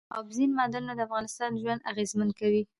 اوبزین معدنونه د افغانانو ژوند اغېزمن کوي.